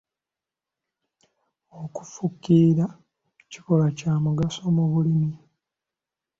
Okufukirira kikolwa kya mugaso mu bulimi.